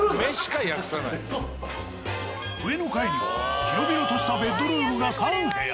上の階には広々としたベッドルームが３部屋。